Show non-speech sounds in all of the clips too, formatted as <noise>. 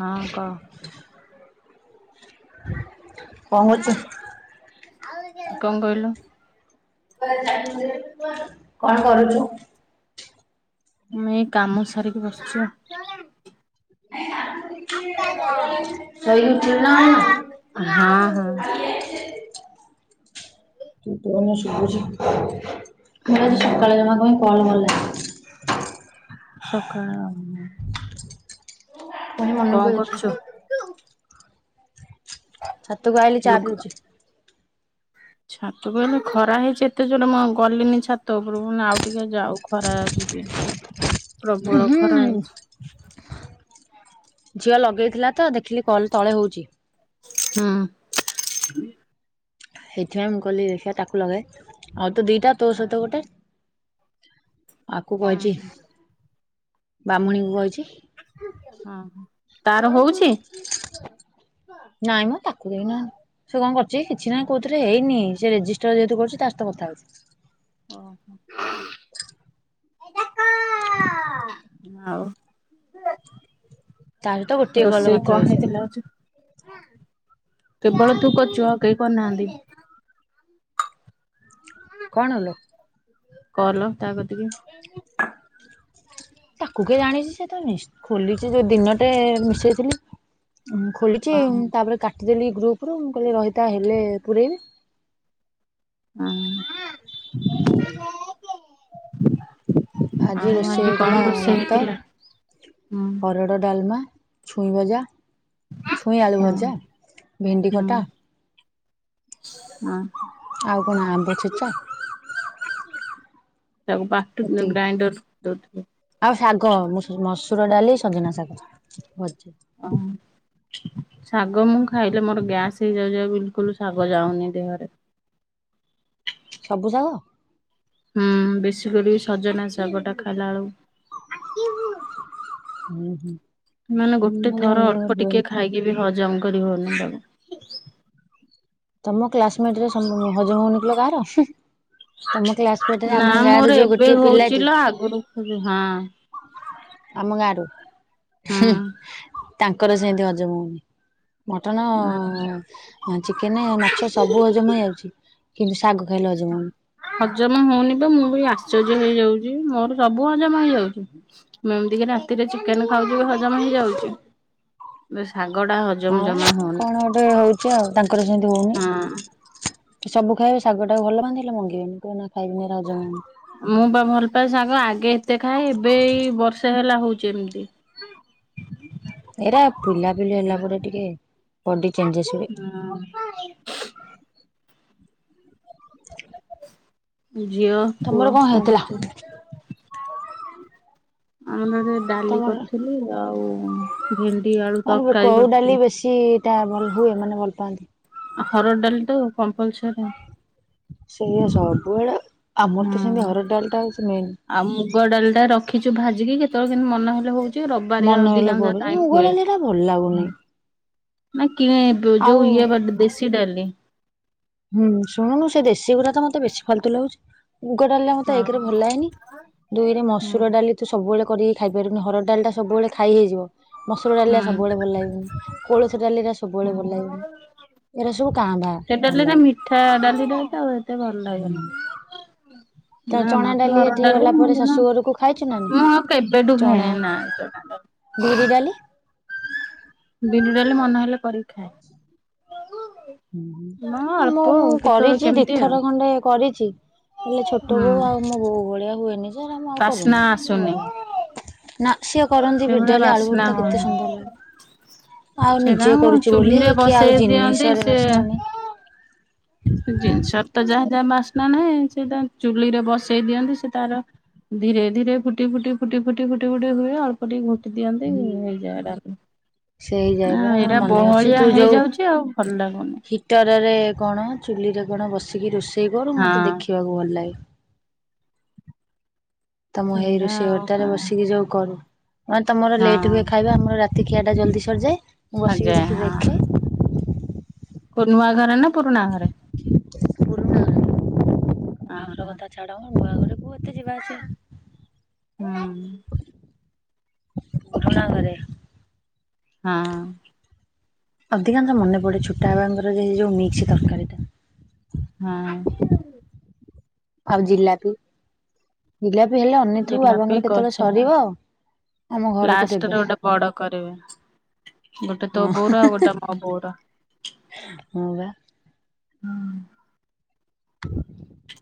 ହଁ କହ ପହଞ୍ଚୁଛି। କଣ କହିଲୁ କଣ କରୁଛୁ? ଏଇ କାମ ଧରିକି ବସିଛି ଆଉ। <unintelligible> ତୋ ଟୋନ ହଁ ଶୁଭୁଛି ହଁ। <unintelligible> କଲ୍ ଗଲା। ସକାଳ ପୁଣି କଣ ମନକୁ ଦେଖିଆ କରୁଛୁ? ଛାତକୁ ଆଇଲି ଚା ଲୁଗା ପଉଛି, ଛାତକୁ ଆଇଲେ ଖରା ହେଇଛି ଏତେ ଜୋର ମୁଁ ଗଲିନି ଛାତ ଉପରକୁ ଆଉ ଟିକେ ଯାଉ ଖରା ଯିବି ପ୍ରବଳ ଖରା ହୁଁ ହେଇଛି, ଝିଅ ଲଗେଇଥିଲା ତ ଦେଖିଲି କଲ ତଳେ ହଉଛି, ହଁ ସେଇଥିପାଇଁ ମୁଁ କହିଲି ଦେଖିଆ ତାକୁ ଲଗାଏ, ତ ଦିଟା ତୋ ସହିତ ଗୋଟେ <inaudible> ଆକୁ ହୁଁ କହିଚି ବ୍ରାହ୍ମଣୀଙ୍କୁ କହୁଛି ହଁ ତାର ହଉଛି। ନାଇଁ ମ ତାକୁ ଦେଇନାହାନ୍ତି। ସେ କଣ କରଛି କିଛି ନାଇଁ କୋଉଥିରେ ହେଇନି ସେ ରେଜି ସ୍ଟର ଯେହେତୁ କରୁଛି ତା ତ କଥାହଉଛି। ଓହୋ। ଏଇଟା। <inaudible> ହଉ ତା ସହିତ ଗୋଟିଏ କଲ ରୋଷେଇ ମାତ୍ର କଣ ହେଇଛି ହେଇଥିଲା ଆଜି। ହୁଁ କେବଳ ତୁ କରିଛୁ ଆଉ କେହି କରିନାହାନ୍ତି। <inaudible> କଣ ହେଲା? କଲ ତା କତିକି। ତାକୁ କିଏ ଜାଣିଛି ସେ ତ ଖୋଲିଛି ଯୋଉ ଦିନଟେ ମିଶେଇଥିଲି। ଉ ଖୋଲିଛି ଆଉ ତାପରେ କା ଦେଲି ଗ୍ରୁପ ରୁ ମୁଁ କହିଲି ରହିଥା ହେଲେ ପୁରେଇବି। ହଁ। ଆଜି ରୋଷେଇ ହେଇଥିଲା ଭାତ ହେଇଥିଲା? ହୁଁ। ହରଡ଼ ଡାଲମା ଛୁଇଁ ଭଜା ଛୁଇଁ ଆଳୁ ହଁ ଭଜା, ଭେଣ୍ଡି ହଁ କଟା ହଁ, କଣ ଆମ୍ବ ଛେଚା ତାକୁ ବାଟୁ ଏତିକି ଗ୍ରାଇଣ୍ଡର ଦଉଥିବେ। ଆଉ ଶାଗ ମୁ ମୁଗ ଡାଲି ସଜନା ଶାଗ ଭଜା। ଓହୋ ଶାଗ ମୁଁ ଖାଇଲେ ମୋର ଗ୍ୟାସ ହେଇଯାଉଛି ବିଲକୁଲ ଶାଗ ଯାଉନି ଦେହରେ। ସବୁ ସାଗ ହୁଁ ବେଶୀ କରି ସଜନା ଶାଗଟା ଖାଇଲା ବେଳକୁ ହୁଁ ହୁଁ। ମାନେ ଗୋଟେ ହୁଁ ଜଣ ଥର ଜଣଙ୍କର ଅଳ୍ପ ହୁଏନି ଟିକେ ଖାଇକି ବି ହଜ ଜମା କରିବନି ତମେ। ତମ କ୍ଲାସମେଟ ରେ ହଜମ ହଉନଥିଲା କାହାର। ତମ କ୍ଲାସମେଟ ରେ ଆମ ନା ଗାଁ ର ମୋର ଯୋଉ ଏବେ ଗୋଟିଏ ପିଲାଟି ହଉଛି ଲୋ ଆଗରୁ ହଁ ଆମ ଗାଁ ରୁ ହୁଁ ତାଙ୍କର ସେମିତି ହଜମ ହଉନି। ମଟନ ଚିକେନ ମାଛ ସବୁ ହଜମ ହେଇଯାଉଛି। କିନ୍ତୁ ଶାଗ ଖାଇଲେ ହଜମ ହଉନି। ହଜମ ହଉନି ବା ମୁଁ ବି ଆଶ୍ଚର୍ଯ୍ୟ ହେଇଯାଉଛି। ମୋର ସବୁ ହଜମ ହେଇଯାଉଛି ମୁଁ ଏମିତି କି ରାତିରେ ଚିକେନ ଖାଉଛିି ହ ହଜମ ହେଇଯାଉଛି। ବେ ସାଙ୍ଗ ହଁ କଣ ଗୋଟେ ହଉଛି ଆଉ ତାଙ୍କର ସେମିତି ହଁ। ହଉନି ସବୁ ଖାଇବେ ଶାଗ ଭଲ ମନ୍ଦ ହେଲେ ମଙ୍ଗିବେନି କୋଉଦିନ ଖାଇବା ଗୁରା ହଜମ ହଉନି ମୁଁ ବା ଭଲ ପାଏ ଶାଗ ଆଗେ ଏତେ ଖାଏ ଏବେ ଏଇ ବର୍ଷେ ହେଲା ହଉଛି। ଯେମିତି ଏଇରା ପିଲାପିଲି ହେଲା ପରେ ଟିକେ ବଡି ଚେଞ୍ଜେସ ହୁଏ। <inaudible> <inaudible> ଝିଅ ତମର ପୁଅ କଣ ହେଇଥିଲା କରୁଛନ୍ତି। ଆମର ଡାଲି ତମର? କରିଥିଲି ଆଉ <inaudible> ଆଳୁ ତରକାରୀ କୋଉ କରିଥିଲି। ଡାଲି ବେଶୀ ଏଇଟା ଭଲ ହୁଏ ମାନେ ଭଲ ପାଆନ୍ତି। ହରଡ ଡାଲି ତ କମ୍ପଲସରି ସେଇଆ ସବୁ ବେଳେ ହୁଁ ଆଉ ମୁଗ ଡାଲି ଟା ରଖିଛୁ ଭାଜିକି କେତେ କେତେବେଳେ କେମିତି ମନ ହେଲେ ହଉଚି। ମନେ ହେଲେ ପଡୁଛି ମୁଗ ଡାଲି ଟା ଭଲ ଲାଗୁନି <inaudible> କିଣା ଇଏ ଆଉ ଯୋଉ ଦେଶି ଡାଲି ହୁଁ ଶୁଣୁନୁ ସେ ଦେଶୀ ଗୁରା ତ ମତେ ବେଶୀ ଫାଲତୁ ଲାଗୁଛି। ମୁଗ ଡାଲି ଟା ମତେ ହଁ ଏକ ରେ ଭଲ ଲାଗେନି ଦୁଇରେ ହୁଁ। ମସୁର ଡାଲି ତୁ ସବୁବେଳେ କରିକି ଖାଇପାରିବିନି ହରଡ଼ ଡାଲିଟା ସବୁବେଳେ ଖାଇ ହେଇଯିବ। ମସୁର ଡାଲିଲା ସବୁବେଳେ ଭଲ ହୁଁ ଲାଗିବ କୋଳଥ ଡାଲିଲା ସବୁବେଳେ ଭଲ ଲାଗିବ ଏରା ସବୁ କାଁ ଭା ଲେ ତା ମିଠା ଡାଲି ତ ଆଉ ଏତେ ଭଲ ଲାଗେନି ତ ନା ଚଣା ମୋତେ ହରଡ ଏଠି ଡାଲି ଗଲା ଭଲ ପରେ ଲାଗେନା ଶାଶୁ ଘରକୁ ଖାଇଛୁ ନା ନାଇଁ ମୁଁ ଆଉ କେବେଠୁ ଚଣା ଖାଇନି ନା ବିରି ଡାଲି ବିରି ଡାଲି ମନ ହେଲେ କରିକି ଖାଏ। ହଁ ଆ ମୁଁ ଅଳ୍ପ ମୁଁ ଆଉ କେତେବେଳେ କରିଛି ଦି କେମିତି ଆଉ ଥର ଖଣ୍ଡେ କରିଛି ହେଲେ ଛୋଟ ହୁଁ। ବୋଉ ଆଉ ମୋ ବୋଉ ଭଳିଆ ହୁଏନି ମୁ ଆଉ ବାସ୍ନା କରୁନି ତ ଭଲ ଆସୁନି ଲାଗୁନି। ନା ସିଏ କରନ୍ତି ବିରି ସେଭଳିଆ ଡାଲି ଆଳୁ ବାସ୍ନା ଭରତା କେତେ ହଉନି ସୁନ୍ଦର ଲାଗେ ଆଉ ସେଇଟା ନିଜେ କରୁଛି ବୋଲି ଚୁଲିରେ କି ବସେଇ ଆଉ ଦିଅନ୍ତି ଜିନିଷ ରାଜଧାନୀ ଜିନଷର ତ ଯା ଯାହା ବାସ୍ନା ନାହିଁ ସେଇଟା ଚୁଲିରେ ବସେଇ ଦିଅନ୍ତି ସେ ତାର ଧୀରେ ଧୀରେ ଫୁଟି ଫୁଟି ଫୁଟି ଫୁଟି ଫୁଟି ଫୁଟି ହୁଏ ଅଳ୍ପ ଟିକେ ଦିଅନ୍ତି ହେଇଯାଏ ଏଟା ସେ ହେଇଯାଏ ନା ପରା ମୋର ଏଇଟା ମନେ ଅଛି ବହଳିଆ ତୁ ଯୋଉ ହେଇଯାଉଛି ଆଉ ଭଲ ଲାଗୁନି। ହିଟରରେ କଣ ଚୁଲିରେ କଣ ବସିକି ରୋଷେଇ ଦିଗରୁ ମୋତେ ହଁ। ଦେଖିବାକୁ ଭଲ ଲାଗେ ତମ ହେଇ ସେଇଟା ରୋଷେଇ ଆଉ ଘରଟାରେ ବସିକି ଯୋଉ କରୁ ହଁ ତମର ଲେଟ୍ ହଁ ହୁଏ ଖାଇବା ଆମର ରାତି ତଖିଆା ଟା ଜଲଦି ସରିଯାଏ। ମୁଁ ବସିକି ସଜାଏ ଦେଖି ଦେଖେ କ ନୂଆ ଘର ନା ପୁରୁଣା ଘରେ? ପୁରୁଣା ଘର ହଁ କଥା ଛାଡ ନୂଆଘର କୁ ଏତେ ଯିବା ହୁଁ ଆସିବା ପୁରୁଣା ଘରେ ହଁ ଅଧିକାଂଶ ମନେ ପଡେ ଛୋଟା ହେବେଳଙ୍କର ଯୋଉ ମିକ୍ସ ତରକାରୀ ହଁ ଆଉ ଜିଲାପି ଜିଲାପି ହେଲେ ଅନେଇଥିବୁ ଜିଲାପି ବାବାଙ୍କର କେତେବେଳେ ଗଜା ସରିବ ଆଉ ଆମ ଘରକୁ ଲାଷ୍ଟରେ ଦେବେ ଗୋଟେ ବଡ କରିବେ ଗୋଟେ ତୋ ବୋଉର ଆଉ ଗୋଟେ ମୋ ବୋଉର ହଁ ବା ହଁ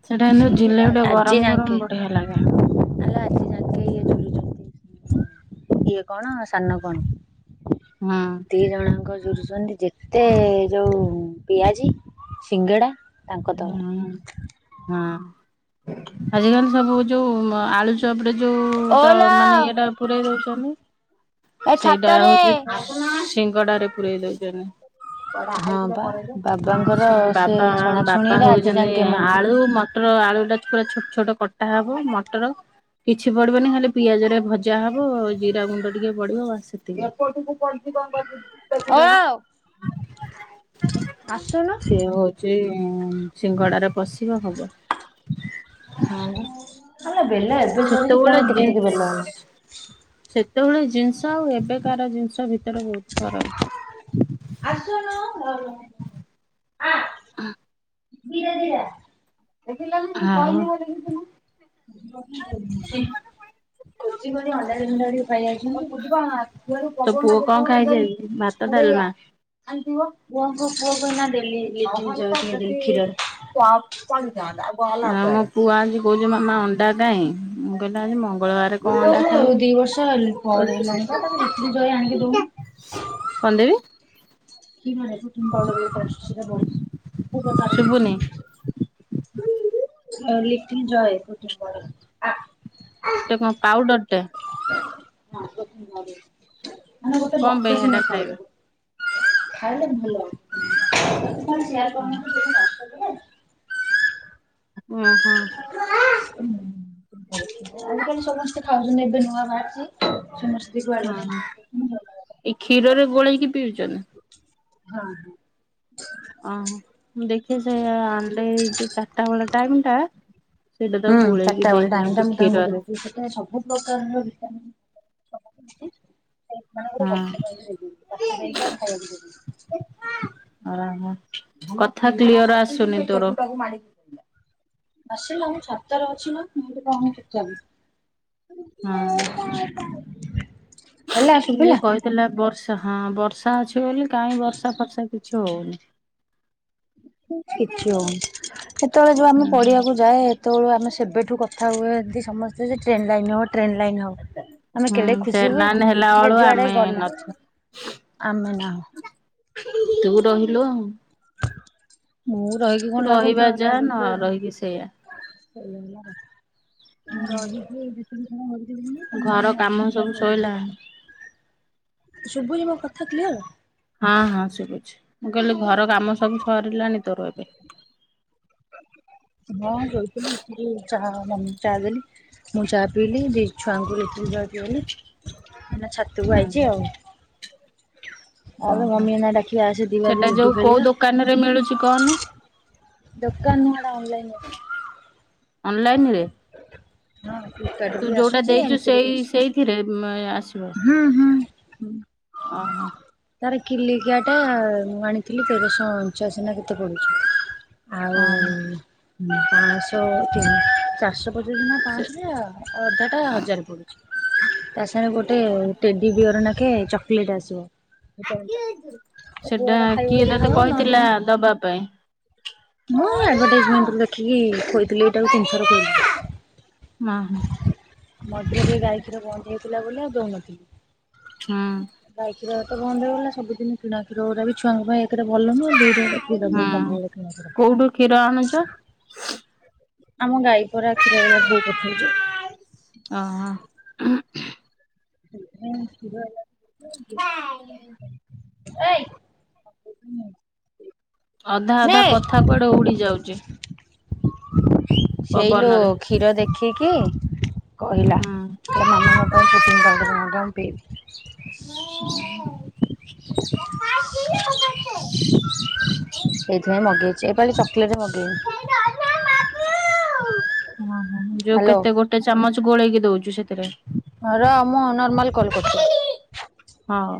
ସେଟା କିନ୍ତୁ ସିଙ୍ଗିଡା ଜିଲାପି ଟା ଆଜି ଗରମ ଯାଙ୍କେ ଗରମ ବଢିଆ ଲାଗେ। ଆଲୋ ଆଜି ଯାଙ୍କେ ଇଏ ଇଏ କଣ ସାନ କଣ ହଁ ଦି ଜଣଙ୍କ କରୁଛନ୍ତି ଯେତେ ଯୋଉ ପିଆଜି ସିଙ୍ଗଡା ତାଙ୍କ ତଳେ। ହଁ। ହଁ ଆଜିକାଲି ସବୁ ଯୋଉ-ଉ-ଉ ଆଳୁ। ଚପରେ ଯୋଉ ଯ ମାନେ ଓଲୋ ଇଏଟା ପୁରେଇ ଦଉଛନ୍ତି ଏ ସେଇଟା ଛାତରେ ହଉଛି ସ-ସ-ସ। ସିଙ୍ଗଡା ରେ ପୁରେଇ ଦଉଛନ୍ତି। ହଁ ପା ବାବାଙ୍କର ସେ ଛଣାଛୁଣି ପା ହଉଛନ୍ତି ଆଳୁ ମଟର ଆଳୁ ଟା ପୁରା ଛୋଟ ଛୋଟ କଟା ଟା ହବ ମଟର କିଛି ପଡିବନି ହେଲେ ପିଆଜ ରେ ଭଜା ହବ ଜିରା ଗୁଣ୍ଡ ଟିକେ ପଡିବ ବାସ ସେତିକି। <unintelligible> କଣ ଓ କର ଆସୁନୁ ସିଏ ହଉଛି। ହଁ। ସିଙ୍ଗଡା ପସିବ ହବ। ହେଲା ବେଲ ଏବେ ସରିଛି ସେତେବେଳେ ପୁଣି ଟିକି ଟିକି ଜିନିଷ ବେଲ ହେଲା। ସେତେବେଳେ ଜିନିଷ ଆଉ ଏବେ କାର ଜିନିଷ ଗଛ ଭିତରେ ବହୁତ ଫରକ। ହ ଆ। ହଁ। ଧୀରେ ଧୀରେ ଆ। ହଁ ଭୋଜି କରି ଅଣ୍ଡା ଦିନ ଟା <unintelligible> ଫୁଣ୍ଡାଡି ଖାଇ ଯାଉଛନ୍ତି। ତୋ ପୁଅ କଣ ଖାଇଯାଇଛି ଭାତ ଡାଲମା। ଆସିବ। ପୁଅ କୁ ଏଇନା। ଦେଲି ଲିଟିଲ ନହେଲେ ଜୟ ତ ଟିକେ ଦେଲି ସେଠି କ୍ଷୀରରେ। ଚା ପଡ଼ିଥାନ୍ତା ଆ ଆଉ ମୋ ପୁଅ ଆଜି କହୁଛି ମାମା ଅଣ୍ଡା କାଇଁ ମୁଁ କହିଲି ଆଜି ମ ଉ ଦି ବର୍ଷ ହେ ପରେ କହୁଛି ହେଲେଣିିବା ତାକୁ ଲିଟରି ଜଏ ଆଣିକି ଦଉନୁ। କଣ ଦେବି କି ମାନେ ପ୍ରଥମ ଭଲ ବିତ ଆସଛି ସେଟ ଶୁଭୁନି ବ। <unintelligible> ଆଉ ଲିଟିଲ ଜୟ କୁଟିମ୍ ଆ । ଟା। <inaudible> କଣ ପାଇଁ ବକ୍ସ ସେଟା ନେଇ ଖାଇବେ। ପଳେଇବୁ ଖାଇଲେ ଭଲ। ସେୟାର କରୁନଥିଲି ତତେ ୱାଟସପରେ। ହଁ ହଁ। ଆଜିକାଲି ସମସ୍ତେ ଖାଉଛନ୍ତି ଏବେ ନୂଆ ବାହାରିଛି ସମସ୍ତେ ହଁ ଏଇ କ୍ଷୀରରେ ଗୋଳେଇ କି ପିଉଛନ୍ତି। ହଁ ଅ ହଁ ମୁ ଦେଖିଛି ଏ ଯୋଉ ଚାରିଟା ବେଳ ଟାଇମ ଟା ସେଇଟା ହୁଁ ତାକୁ ଗୋଳେଇକି ଚାରିଟା ଦେଇ ବେଳ ଟାଇମ ଦିଅନ୍ତି ଟା ମୁଁ ତାଙ୍କୁ କ୍ଷୀରରେ ଦଉଚି ସେଥିରେ ସବୁ ପ୍ରକାର ର ଭିଟାମିନ <unintelligible> ମାନେ ଗୋଟେ ହଁ ଗଛ ତଳକୁ ନେଇଯିବି ତାକୁ ସେଠି ଖାଇବାକୁ ଦେବି। <unintelligible> କଥା କ୍ଲିୟର ଆସୁନି ତୋର। <inaudible> ଆସିଲୁ ମୁଁ ଛାତରେ ଅଛି ନା। <inaudible> ହଁ। ହେଲା ଯେ ଶୁଭିଲା। କହିଥିଲା ବର୍ଷ ହଁ ବର୍ଷା ବର୍ଷା ଅଛି ବୋଲି କାଇଁ ବର୍ଷା ଫର୍ଷା କିଛି ହଉନି। କିଛି ହଉନି ହେତେବେଳେ ଯୋଉ ଆମେ ପଢିବାକୁ ଯାଏ ହେତେବେଳୁ ଆମେ ସେବେଠୁ ସେବେଠୁ କଥା ହୁଏ ସମସ୍ତେ ଯେ ଟ୍ରେନ ଲାଇନ ଟ୍ରେନ ଲାଇନ ହଉ ଆମେ ହୁଁ କେଡେ ଖୁସି ଟ୍ରେନ ହୁଏ ଲାଇନ ହେଲା ଯେ ବେଳୁ ଯୁଆଡେ ଆମେ ଗଲା ଆମେ ନାହୁଁ। ନଥିଲୁ ତୁ ରହିଲୁ ଆଉ ମୁଁ ରହିକି କଣ ତୁ ଲାଭ ରହିବା ଯା ନ ରହିକି ସେଇଆ। <inaudible> ରହିକିବି <inaudible> ତମ ଘର କାମ ସବୁ ମାନଙ୍କୁ ସଇଲାଣି <inaudible> ଶୁଭୁନୀ ମୋ କଥା କ୍ଲିୟର। ହଁ ହଁ ଶୁଭୁଛି। ମୁଁ କହିଲି ଘର କାମ ସବୁ ସରିଲାଣିି। ତୋର ଏବେ। ହଁ ଶୋଇଥିଲି ଉଠିଲି ଚା ଦେଲି ମୁଁ ଚା ପିଇଲି ଦି ଛୁଆଙ୍କୁ ଲିଟିଲ୍ ଦେଲି ଏଇନା ଛାତକୁ ଆଇଛି ଆଉ। ଆଉ ଓହୋ ମମି ଏଇନା ଡାକିବେ ଆସେ ଦି ବାଜି ସେଟା ଲୁଡୁ ଯୋଉ କୋଉ ଖେଳିବା। ଦୋକାନରେ ମିଳୁଛି କହନି। ଦୋକାନ ନୁହେଁ ହେଟା ଅନଲାଇନରୁ ଅନଲାଇନରେ ଫ୍ଲିପକାର୍ଟରୁ ତୁ ବି ଯୋଉଟା ଆସୁଛି ଦେଇଚୁ ଏମିତିରେ ବି ସେଇ ଆସୁଛି। ସେଇଥିରେ ମା ହୁଁ ହୁଁ ହୁଁ। ଓହୋ ତାର କିଲିକିଆଟା ମୁଁ ଆଣିଥିଲି ତେରଶହ ଅଞ୍ଚାଶ୍ ନାଁ କେତେ ପଡୁଚି? ଆଉ ଓହୋ। ହଁ ପାଆଁଶ ତିନ ଚାରିଶ ପୋ ଯୋଜନା ସେ ପାଁଶ ଯା ଅଧାଟା ହଜାର ପଡ଼ୁଚି। ତା ସାଙ୍ଗେ ଗୋଟେ ଟେଡି ବିୟର ନାଁ କେ ଚକଲେଟ୍ ଆସିବ। ଭିଟାମିନ ଚକଲେଟ୍ ମୋ ପୁଅ ସେଟା ହେଟା ଖାଇବ କିଏ ଯଦି ତତେ ଖାଇବ ନହେଲେ କହିଥିଲା ନାହିଁ। ଦବା ପାଇଁ? ମୁଁ ହେ ଆଡ଼ଭାଟାଇଜମେଣ୍ଟ୍ ରୁ ଦେଖିକି ଖୋଇଥିଲି। ଏଇଟାକୁ ତିନି ଥର ଖୋଇଲିଣି। ହଁ ମଝିରେ ଟିକେ ଗାଈ କ୍ଷୀର ବନ୍ଦ ହେଇ ଥିଲା ବୋଲି ଆଉ ଦୋଉନଥିଲି। ହଁ। ର ତ ବନ୍ଦ ହେଇଗଲା ସବୁଦିନି କିଣା କ୍ଷୀର ଉରା ବି ଛୁଆଙ୍କ ପାଇଁ ଏ ତେଟା ଭଲ ନୁହଁ। ଦୁଇରେ ହେରା କ୍ଷୀର ହୁଁ। ବୁ ସବୁବେଳେ କିଣା କୋଉଠୁ ଆଣୁଛ? କ୍ଷୀର। ଆମ ଗାଈ ପରା କ୍ଷୀରରା ବୋଉ ପଠଉଚି। ଅ ହଁ। ସେଇଥିପାଇଁ କ୍ଷୀର ହେଲା <inaudible> ଏଇ ଅଧା ଅଧା କଥା କୁଆଡ଼େ ଉଡ଼ି ଯାଉଚି। ସେଇ ଲୋ କ୍ଷୀର ଦେଖି କି କହିଲା ହୁଁ। କହିଲା ମାମା ମୋ ପାଇଁ ପ୍ରୋଟିନ୍ ପାଉଡ଼ର ମ ର ମୁଁ ପିଇବି। <unintelligible> ସେଇଥିପାଇଁ ମଗେଇଚି। ଏପାଳି ଚକଲେଟ ମଗେଇନି। ଓହୋ ଯୋଉ ହ୍ୟାଲୋ କେତେ ଗୋଟେ ଚାମଚ୍ ତୁ ଗୋଳେଇକି ଦୋଉଚୁ ସେଥିରେ। ର ମୁଁ ନର୍ମାଲ କଲ କରୁଚି ର। ହଁ।